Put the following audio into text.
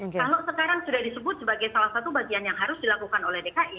kalau sekarang sudah disebut sebagai salah satu bagian yang harus dilakukan oleh dki